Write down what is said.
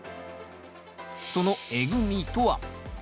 そのえぐみとは？